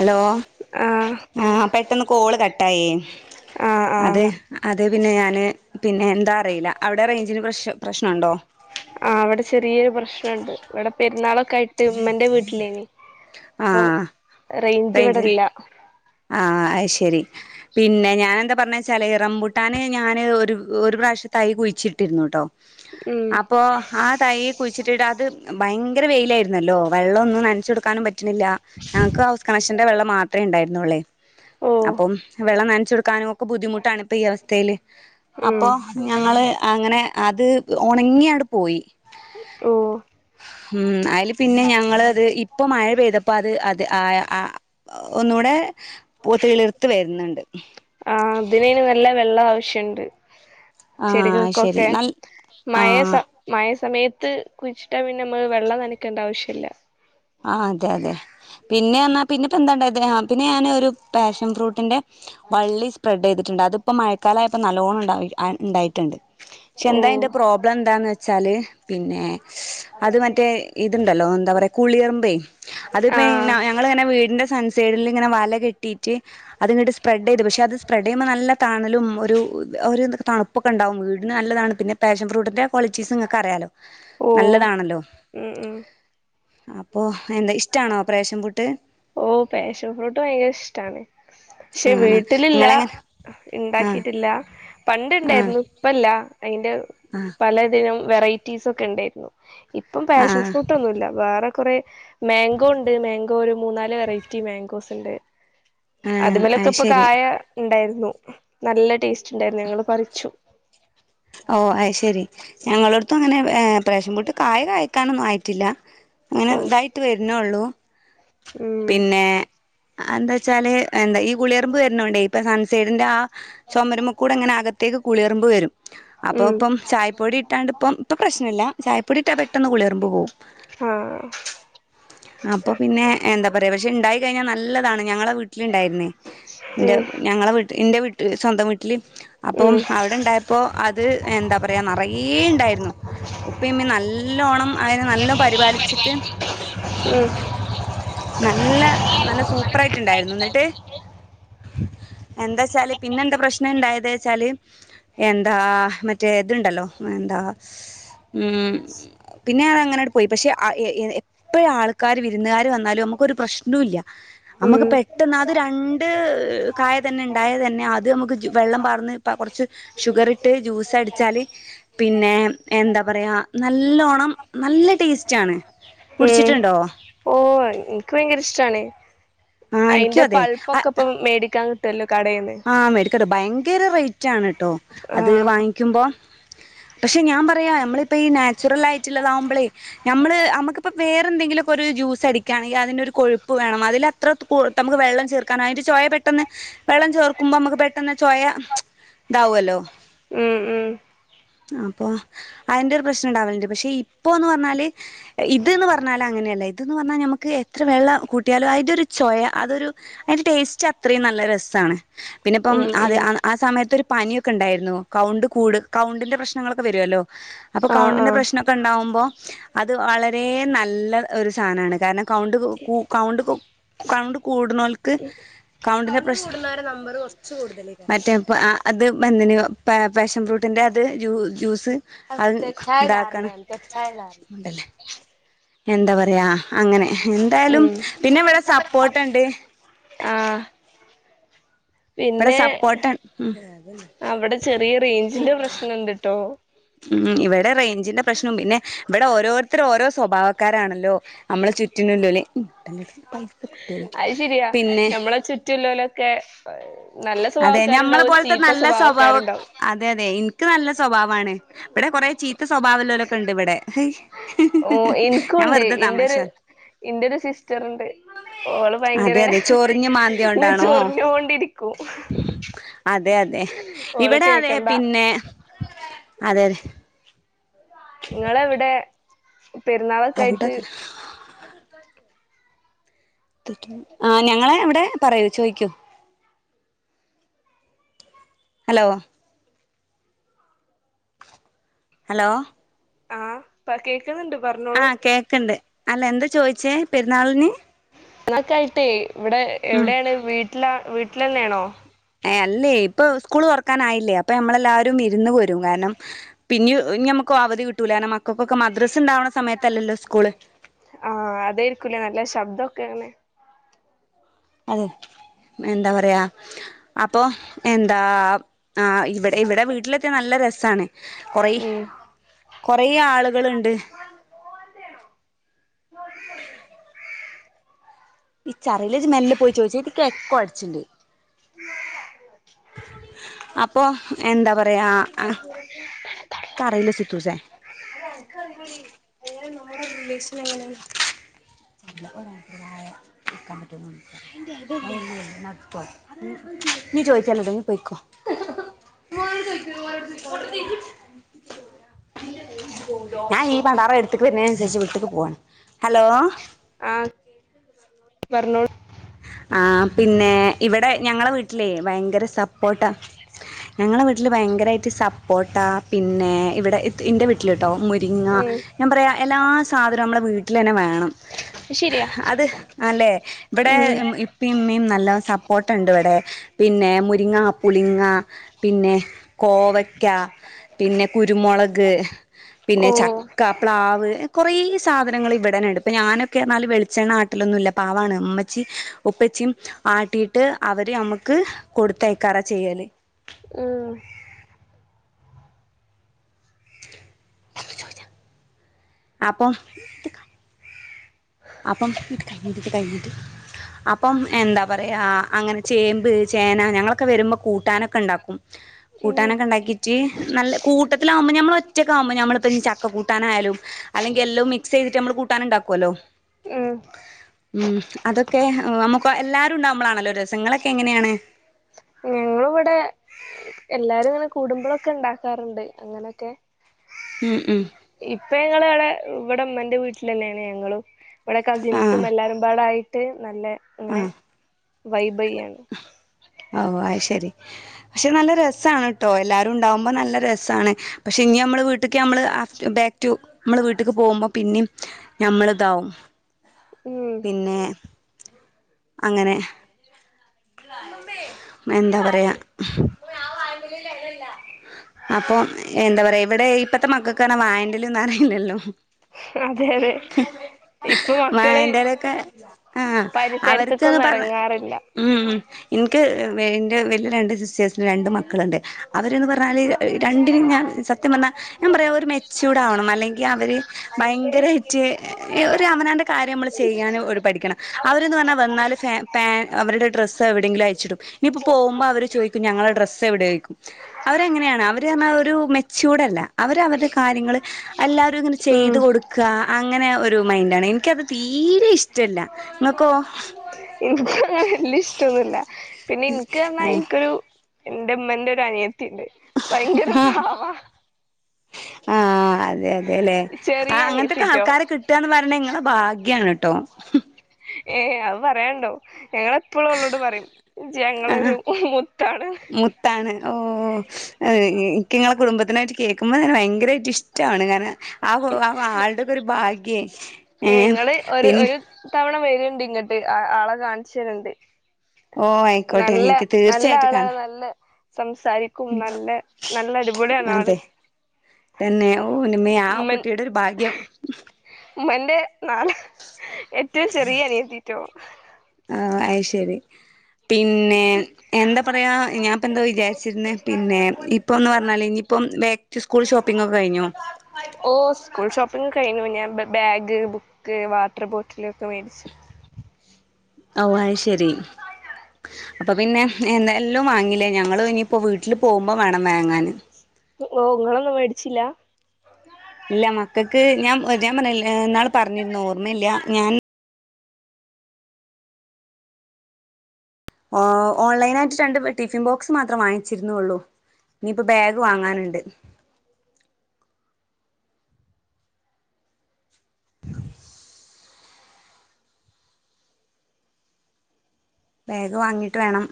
Hello ആഹ് ആ പെട്ടന്ന് കോള് കട്ടായേ ആഹ് ആഹ് അതെ അതെ പിന്നെ ഞാന് പിന്നെ എന്താ അറീല അവിടെ റേഞ്ചിന് പ്രശ് പ്രശ്നണ്ടോ? ആഹ് അവിടെ ക്കായിട്ട് ഇമ്മന്റെ വീട്ടിലേനി ആ അപ്പൊ റൈഞ്ച് ഇവ്ടെ റേഞ്ച് ഇല്ല ആ അയ് ശരി പിന്നെ ഞാൻ എന്താ പർഞ്ഞെച്ചാല് റംബു ട്ടാന് ഞാന് ഒരു ഒരു പ്രാവശ്യം തൈ കുഴിച്ചിട്ടിരുന്നുട്ടോ ഉം അപ്പൊ ആ തൈ കുഴിച്ചിട്ടിട്ട് അത് ഭയങ്കര വെയിലായിരുന്നല്ലോ വെള്ള ഒന്നും നനച്ച് കൊടുക്കാനും പറ്റ്ണില്ല. ഞങ്ങക്ക് ഹൗസ് കണക്ഷന്റെ വെള്ളം മാത്രേ ഇണ്ടായി നോളെ ഓഹ് അപ്പം വെള്ളം നനച്ചൊടുക്കാനും ഒക്കെ ബുദ്ധിമുട്ടാണ് ഇപ്പൊ ഈ അവസ്ഥയില് ഉം അപ്പൊ ഞങ്ങള് അങ്ങനെ. അത് ഉണങ്ങിയടെ പോയി ഓഹ് ഉം അതില് പിന്നെ ഞങ്ങത് ഇപ്പ മഴ പെയ്തപ്പോ അത് ത് ആയ ആഹ് ഒന്നുകൂടെ പൂത്ത്കിളിർത്ത് വരുന്നുണ്ട് ആഹ് ഇതിനയ്ന് നല്ല വെള്ളം ആവശ്യണ്ട് ആ ശരി ചെടികൾക്കൊക്കെ നൽ ആ മഴ സ മഴ സമയത്ത് കുഴിച്ചിട്ടാ പിന്നെ നമ്മള് വെള്ളം നനയ്ക്കേണ്ട ആവശ്യമില്ല ആ അതെ അതെ പിന്നെ എന്നാ പിന്നെപ്പോ എന്താണ്ട അത പിന്നെ ഞാൻ ഒരു പാഷൻ ഫ്രൂട്ടിൻ്റെ വള്ളി സ്പ്രെഡ് ചെയ്ത് ണ്ട് അതിപ്പോ മഴക്കാലായപ്പോ നല്ലോണം ഉണ്ട ഉണ്ടായിട്ടുണ്ട് പക്ഷെ എന്താ ഓഹ് അന്റെ പ്രോബ്ലം എന്താന്ന് വെച്ചാല് പിന്നെ അത് മറ്റേ ഇതുണ്ടല്ലോ എന്താ പറയാ പുള്ളിറുബീയ അത് പിന്നെ ആഹ് നങ്ങൾ ഇങ്ങനെ സൺസൈഡിൽ ഇങ്ങനെ വല കെട്ടിയിട്ട് അത്ങ്ങട്ട് സ്പ്രെഡ് ചെയ്തു പക്ഷെ അത് സ്പ്രെഡ് ചെയ്യുമ്പോ നല്ല തണലും ഒരു ഒരു തണുപ്പൊക്കെ ഉണ്ടാവും വീടിന് നല്ലതാണ് പിന്നെ പാഷൻ ഫ്രൂട്ടിന്റെ ക്വാളിറ്റീസ് നിങ്ങക്ക് അറിയാലോ ഓഹ് നല്ലതാണല്ലോ ഉം ഉം അപ്പൊ എന്താ ഇഷ്ടാണോ പാഷൻ ഫ്രൂട്ട് ഓ പായശ ഫറോട്ടോ ഇ ഷ്ടാണ് പക്ഷെ ആ വീട്ടിലില്ല നിങ്ങളെങ്ങനെ ആ ഉണ്ടാക്കിട്ടില്ല പണ്ട് ആ ഉണ്ടായിരുന്നു ഇപ്പല്ല അതിന്റെ ആ പലതിനും വെറയിറ്റീസ്സ് ഒക്കെ ഉണ്ടായിരുന്നു ഇപ്പം ആ പാഷൻ ഫ്രൂട്ട് ഒന്നും ഇല്ല വേറെ കുറെ മാങ്കോ ഉണ്ട് മാങ്കോ ഒരു മൂന്ന നാല് വെറയിറ്റി മാങ്കോസ് ഉണ്ട് ആ അത് അതുമ്മേലൊക്കെപ്പൊ ശരി കായ ഉണ്ടായിരുന്നു നല്ല ടേസ്റ്റ് ണ്ടായിരുന്നു ഞങ്ങള് പറിച്ചു ഓ അയ് ശെരി ഞങ്ങളടടുത്തും അങ്ങനെയാണ് ഏ പാഷൻപ്രുട് കായ കായക്കാനൊന്നും ആയിട്ടില്ല. ങ്ങനെ ഓ ഇതായിട്ട് വരുന്നേള്ളൂ. ഉം പിന്നേ അതന്താച്ചാല് എന്താ ഈ പുളിയറമ്പ് വരുന്നോണ്ടേ [unintelligible] സേതിന്റാ ചൊമരുമ്മേക്കൂടങ്ങനെ ആകെ ത്തേക്ക് പുളിയെറുമ്പ് വരും. അപ്പൊ ഉം ഇപ്പം ചായപ്പൊടി ഇട്ടാണ്ട് പ്പം ഇപ്പ പ്രശ്നില്ല ചായപ്പൊടിയിട്ടാ പെട്ടന്ന് പുളിയെർമ്പ് പോകും. ആ അപ്പൊ പിന്നേ എന്താ പറയാം പക്ഷെ ഇണ്ടായി കഴിഞ്ഞാ നല്ലതാണ് ഞങ്ങളെ വീട്ടിലുണ്ടായിരുന്നേ. ന്റെ ഉം ഞങ്ങള വിട് ന്റെ വീട്ടിൽ സ്വന്തം വിട് ല് അപ്പം ഉം അവിടെണ്ടായപ്പോ അത് എന്താ പറയാ നറയ്യെ ഉണ്ടായിരുന്നു. ഉപ്പെയുമ്മീം നല്ലോണ്ണം അയിനെ നല്ല പരിപാലിച്ചിട്ട് ഉം നല്ല നല്ല സൂപ്പർ ആയിട്ടുണ്ടായിരുന്നു. എന്നിട്ട് എന്താച്ചാല് പിന്നെ എന്താ പ്രശ്നം ഇണ്ടായത് ന്ന്വച്ചാല് എന്താ മറ്റേ ഇതുണ്ടല്ലോ എന്താ ഉം പിന്നേ അങ്ങനങ്ങട് പോയി, പക്ഷെ അ എ എ എത്രയാൾക്കാര് വിരുന്നുകാര് വന്നാലും നമു ഒരു പ്രശ്നോല്ല്യ. അമ്മക്ക് ഉം പെട്ടെന്ന് അത് രണ്ട് കായ തന്നെണ്ടായത് തന്നെ ആദ്യം നമുക്ക് ജ്യു വെള്ളം പകർന്ന്പ കുറച്ച് ഷുഗർ ഇട്ട് ജ്യൂസ് അടിച്ചാല് പിന്നെ എന്താ പറയ്യാ നല്ലോണം, നല്ല ടേസ്റ്റാണ്. കുടിച്ചിട്ടൊണ്ടോ? ഉം ക്ക്‌ ഭയങ്കര ഇഷ്ടണ് ആ അയിന്റെ പൾപ്പൊക്കിപ്പം മേടിക്കാൻ കി തെല്ല് ആ മെടിക്കട്ട് ഭയങ്കര റേറ്റ് ആണെട്ടോ അത് ആഹ് വാങ്ങിക്കുമ്പോ. പക്ഷെ ഞാൻ പറയാ നമ്മളിപ്പ ഈ നാച്ചുറൽ ആയിട്ടുള്ളതാകുമ്പളേ ഞമ്മള് നമ്മുക്കിപ്പ വേറെ എന്തെങ്കിലുംക്ക ഒരു ജ്യൂസ്സടിക്കാണെങ്കിൽ അതിന്റെ ഒരു കൊഴുപ്പ് വേണം അതിലത്ര നമുക്ക് വെള്ളം ചേർക്കാനായിട്ട് ചോയ പെട്ടെന്ന് വെള്ളം ചേർക് ക്കുമ്പോ നമ്മുക്ക് പെട്ടെന്ന് ചോയ ഇതാവുവല്ലോ. ഉം ഉം അപ്പൊ അതിന്റെ ഒരു പ്രശ്നം ഇണ്ടാവലുണ്ട് പക്ഷെ ഇപ്പോ എന്ന് പറഞ്ഞാല് ഇതെന്ന് പറഞ്ഞാല് അങ്ങനെയല്ല ഇതെന്ന് പറഞ്ഞാൽ നമ്മക്ക് എത്ര വെള്ളം കൂട്ടിയാലും അതിന്റെ ഒരു ചൊയ അതൊരു അതിന്റെ ടേസ്റ്റ് അത്രയും നല്ല രസാണ് പിന്നെ ഇപ്പം ഉം അത് ഉം ആ സമയത്ത് ഒരു പനിയൊക്കെ ഉണ്ടായിരുന്നു കൗണ്ട് കൂട് കൗണ്ടിന്റെ പ്രശ്നങ്ങളൊക്കെ വരുവല്ലോ അപ്പൊ ആഹ് കൗണ്ടിന്റെ ആഹ് പ്രശ്നമൊക്കെ ഉണ്ടാവുമ്പോ അത് വളരെ ദേ നല്ല ഒരു സാധനാണ് കാരണം കൗണ്ട് കു കൗണ്ട് കൗണ്ട് കൂടുന്നോൾ ക്ക് കൗണ്ടിന്റെ പ്രശ് മറ്റേ ആ അത് [unintelligible] പ പാഷൻ ബ്രൂട്ടിന്റെ അത് ജ്യൂസ് അത് [unintelligible] എന്താ പറയാ അങ്ങനെ എന്തായാലും ഉം പിന്നെ ഇവിടെ സപ്പോർട്ടുണ്ട് ആഹ് ഇവടെ പിന്നെ സപ്പോർട്ടണ് ഉം, അവിടെ ചെറിയ റേഞ്ചിന്റെ പ്രശ്നണ്ട്ട്ടോ ഉം ഇവിടെ റേഞ്ചിന്റെ പ്രശ്നവും പിന്നെ ഇവിടെ ഓരോരുത്തര് ഓരോ സ്വഭാവക്കാരാണല്ലോ നമ്മള ചുറ്റിനുണ്ട്ലി അത് ശരിയാ മ്മളെ ചുറ്റുള്ളലൊക്കെ അ [inaudible] അതെ ഞമ്മളെ പോലത്തെ നല്ല സ്വഭാവം സ്വഭാവക്കാരുണ്ടാവും അതെ അതെ എനിക്ക് നല്ല സ്വഭാവമാണ് ഇവിടെ കൊറെ ചീത്ത സ്വഭാവല്ലലൊക്കെ ഉണ്ട് ഇവിടെ ഓ ഞാൻ ഇൻക്കുണ്ട് വെറുതെ താമാശ ഇന്റൊരു ഇന്റൊരു സിസ്റ്ററ്ണ്ട് ഓള് ഭയങ്കര ഇങ്ങനെ മാന്തിയോണ്ടാണോ ചൊറിഞ്ഞോണ്ടിരിക്കും കും അതെ അതെ ഇവിടെ അതെ പിന്നെ അതെതെ ഇങ്ങളെവിടെ [inaudible] പെരുന്നാളൊക്കെ അവിടെ ആയിട്ട് ആ ഞങ്ങളെ ഇവിടെ പറയൂ ചോയിക്കൂ ഹലോ ഹലോ ആഹ് പ കേ ആഹ് കേക്ണ്ട് അല്ല എന്താ ചോയിച്ചേ പെരുന്നാളിന് ന്നൊകായിട്ടേ ഇവിടെ ഉം എവിടാണ് വീട്ടില വീട്ടിലന്നാണോ ഏ അല്ലേ ഇപ്പ സ്കൂള് തൊറക്കാനായില്ലേ അപ്പൊ നമ്മളെല്ലാരും വിരുന്ന് വരും കാരണം പിന്ന ഇന്യമ്മക്ക് അവധി കിട്ടൂല കാരണം മക്കൾക്കൊക്കെ മദ്രസ് ഇണ്ടാവണ സ ആഹ് അതായിരിക്കൂലേ നല്ല ശബ്ദോ ക്കണെ അതെ എന്താ പറയാ അപ്പൊ എന്താ ആ ഇവിടെ ഇവിടെ വീട്ടിലത്തിയാ നല്ല രസാണ് കൊറെ ഉം കൊറെ ആളുകളുണ്ട് ചറിയല ജ് മെല്ലെ പോയി ചോയ്ച്ച് ക് എക്കോ അടിച്ചിണ്ട് അപ്പൊ എന്താ പറയാ ആ ക്കറിയൂല സിത്തൂസെ [unintelligible] ഞാൻ ഈ പണ്ടാറം എടുത്ക്‌ പിന്നെ അതനുസരിച്ച് വീട്ട്ക്ക് പൂവാൻ ആഹ് പറഞ്ഞോള് ആ പിന്നെ ഇവിടെ ഞങ്ങളെ വീട്ടിലേ ഭയങ്കര സപ്പോട്ടാ ഞങ്ങളെ വീട്ടില് ഭയങ്കരായിട്ട് സപ്പോർട്ടാ പിന്നെ ഇവിടെ ഇത് ഇന്റെ വീട്ടില്ട്ടോ മുരിങ്ങ ഉം ഞാൻ പറയാ എല്ലാ സാധനവും നമ്മുടെ വീട്ടില് തന്നെ വേണം ശരിയാ അത് അല്ലേ ഇവിടെ ഉം ഇപ്പേം ഇമ്മേം നല്ല സപ്പോർട്ടുണ്ട്. ഇവിടെ പിന്നെ മുരിങ്ങ പുളിങ്ങ പിന്നെ കോവക്ക പിന്നെ കുരുമുളക് പിന്നെ ഓഹ് ചക്ക പ്ലാവ് കൊറേ സാധനങ്ങൾ ഇവിടന്നെണ്ട് ഇണ്ട്. ഇപ്പൊ ഞാനൊകെന്നാല് വെളിച്ചെണ്ണ ആട്ടലൊന് ന്നുല്ല പാവാണ് ഉം ച്ചി ഉപ്പച്ചിം ആട്ടിയിട്ട് അവര് നമ്മക്ക് കൊടുത്തയക്കാറാ ചെയ്യല് ഉം അപ്പം അപ്പം കഴിഞ്ഞിട്ടി് കഴിഞ്ഞിട്ട് അപ്പം എന്താ പറയാ അങ്ങനെ ചേമ്പ് ചേന ഞങ്ങളൊക്കെ വരുമ്പോ കൂട്ടാനൊക്കെ ഇണ്ടാക്കും ഉം കൂട്ടാനൊക്കെ ഇണ്ടാക്കിട്ട് നല്ല കൂട്ടത്തിലാവുമ്പോ ഞമ്മള് ഒറ്റക്കാകുമ്പോ ഞമ്മള്പ്പഞ്ഞി ചക്ക കൂട്ടാനായാലും അല്ലെങ്കില് എല്ലോം മിക്സ് ചെയ്ത്ട്ട് ഞമ്മള് കൂട്ടാന്ണ്ടാക്കോലോ ഉം ഊം അതൊക്കെ നമ്മക്ക് എല്ലാരും ഉണ്ടാവുമ്പളാണല്ലോ രസങ്ങളൊക്കെ ങ്ങനേണ്. ഞങ്ങളിവിടെ എല്ലാരും ഇങ്ങനെ കൂടുമ്പള്ളൊക്കെ ഉണ്ടാക്കാറ്ണ്ട് അങ്ങനൊക്കെ ഊം ഊം ഇപ്പ ഞങ്ങള് അവ്ടെ ഇവ്ടെ ഇമ്മന്റെ വീട്ട്ലെന്നേണ് ഞങ്ങളും ഇവ്ടെ കസിൻസും ആഹ് എല്ലാരും പാടായി ട്ട് നല്ല ഇങ്ങനെ ആഹ് വൈബെയ്യാണ്. ഓ ആയ് ശെരി പക്ഷെ നല്ല രസാണ് ട്ടോ എല്ലാരും ഉണ്ടാവുമ്പോ നല്ല രസമാണ് പക്ഷെ ഇനി നമ്മള് വീട്ട്ക്ക് നമ്മള് ബാക്ക് ടു നമ്മള് വീട്ട്ക്ക് പോകുമ്പോ പിന്നീം ഞമ്മള്താവും. ഉം പിന്നെ അങ്ങനെ എന്താ പറയാ അപ്പൊ എന്താ പറയാ ഇവിടെ ഇപ്പത്തെ മക്കൾക്ക് പറഞ്ഞാ വായേന്റെല ഹ് ഹ് അറിയില്ലല്ലോ അതെ അതെ വായന്റെലൊക്കെ പരിസരത്തക്കൊന്നും എറങ്ങാറില്ല ഊം ഊം ഇന്ക്ക് എന്റെ വലിയ രണ്ട് സിസ്റ്റേഴ്സിന്റെ രണ്ട് മക്കള്ണ്ട് അവര്ന്ന് പറഞ്ഞാല് രണ്ടിനും ഞാൻ സത്യം പറഞ്ഞാൽ ഞാൻ പറയാം ഒരു മെച്യൂർഡ് ആവണം അല്ലെങ്കിൽ അവര് ഭയങ്കരായ്‌റ്റ് ഒരു അവനാന്റെ കാര്യം നമ്മൾ ചെയ്യാൻ ഒരു പഠിക്കണം അവരന്ന് പറഞ്ഞാൽ വന്നാല് അവര്ടെ പാൻ അവര്ടെ ഡ്ര ഡ്രസ്സ് എവിടെങ്കിലും അയച്ചിടും നിപ്പോ പോകുമ്പോ അവര് ചോദിക്കും ഞങ്ങള്ടെ ഡ്രസ്സ് എവിടേന്ന്ചോയ്ക്കും അവരങ്ങനെയാണ് അവര് പറഞ്ഞാ ഒരു മെച്യൂർഡല്ല അവര് അവരുടെ കാര്യങ്ങള് എല്ലാവരും ഇങ്ങനെ ഉം ചെയ്ത് കൊട്ക്ക അങ്ങനെ ഒരു മൈന്റാണ് നിക്കത് തീരെ ഇഷ്ടല്ല. ങ്ങക്കോ? വല്ല്യേഇഷ്ട്ടോന്നുല്ല. പിന്നെ ഇന്ക്ക് പറ്ഞ്ഞാ ഇന്ക്കൊരു എന്റെ മ്മന്റോരു അനിയ ത്തിണ്ട് ഭയങ്കര പവാ ആഹ് അതെ അതെ അതെ അല്ലെ ആ ചെറിയ അങ്ങന്ത്തൊക്കെ അനിയത്തിട്ടോ ആൾക്കാരൊക്കെ കിട്ടാണ് പറഞ്ഞ ങ്ങളെ ഭാഗ് ഗ്യാണ് ട്ടോ ഏ അത് പറയാണ്ടോ ഞങ്ങളെപ്പളും ഓളോട് പറയും ഇജ്ജ് ആ ഞങ്ങളൊരു മുത്താണ് മുത്താണ് ഓ ക്ക്ങ്ങളെ കുടുംബത്തിനായിട്ട് കേക്ക കേക്കുമ്പങ്ങനെ ഭയങ്കരമായിട്ട് ഇഷ്ടാണ് കാരണം ആഹ് ആഹ് ആളുടെക്കൊരു ഒരു ഭാഗ്യേ ഏ ഏഹ് ങ്ങള് ഒരു പിന്നെ ഒരു തവണ വരോ ണ്ട് ഇങ്ങട്ട് ആളെ കാണിച്ചേറെണ്ട് ഓ ആയിക്കോട്ടെ എനിക്ക് തീർച്ചയായിട്ടും ആളാണ് കാണാം നല്ല സംസാരിക്കും നല്ല നല്ല അടിപൊളിയാണ് ആള് അതെ തന്നെ ഓ ന്റമ്മേ ആ ഉമ്മൻ കുട്ടിയുടെ ഒരു ഭാഗ്യം നലെ ഏറ്റവും ചെറിയ അനിയത്തിറ്റോ ആഹ് അയ് ശരി പിന്നെ എന്താ പറയാ ഞാൻപ്പൊ എന്താ വിചാരിച്ചിരുന്നേ പിന്നെ ഇപ്പൊ ഒന്ന് പറഞ്ഞാല് ഇനിപ്പം ബാക്ക് ടു സ്കൂൾ ഷോപിഗ് ഒക്കെ കഴിഞ്ഞോ? ഓ സ്കൂൾ ഷോപ്പിംഗ് കഴിഞ്ഞു ഞാൻ ബാഗ് ബുക്ക് വാട്ടർ ബോട്ടില ഒക്കെ മേടിച്ചു ഓ അ ശെരി അപ്പൊ പിന്നെ എന്തെല്ലും വാങ്ങില്ലേ ഞങ്ങള് ഇനിയിപ്പോ വീട്ടില് പോകുമ്പോ വേണം വാങ്ങാൻ ഓ ഒങ്ങളൊന്നും മേടിച്ചില്ല ഇല്ല മക്കൾക്ക് ഞാൻ ഞൻ പറഞ്ഞ എന്നാൾ പറഞ്ഞിുന്ന ഓർമ്മയില്ല ഞാൻ ഓൺലൈന ആയിട്ട് രണ്ട് ടിഫിൻ ബോക്സ് മാത്രം വാങ്ങിച്ചിരുന്നുള്ളു നീയിപ്പ ബാഗ് വാങ്ങാനുണ്ട് ഉ [unintelligible] വേഗം വാങ്ങിട്ട് വേണം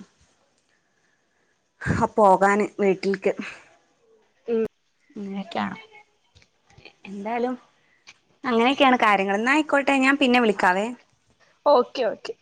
ആ പോകാന് വീട്ടിലേക്ക് ഉം അങ്ങനെയൊക്കെയാണ് എന്തായാലും അങ്ങനെയൊക്കെയാണ് കാര്യങ്ങ എന്നയിക്കോട്ടെ ഞാൻ പിന്നെ വിളിക്കാവേ ഓക്കെ ഓക്കെ